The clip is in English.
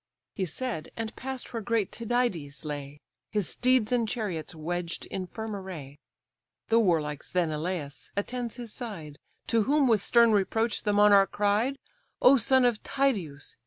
He said, and pass'd where great Tydides lay, His steeds and chariots wedged in firm array; (The warlike Sthenelus attends his side;) To whom with stern reproach the monarch cried: "O son of Tydeus!